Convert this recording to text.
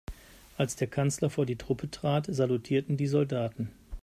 Als der Kanzler vor die Truppe trat, salutierten die Soldaten.